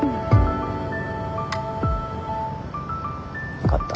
分かった。